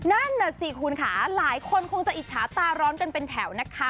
นั่นน่ะสิคุณค่ะหลายคนคงจะอิจฉาตาร้อนกันเป็นแถวนะคะ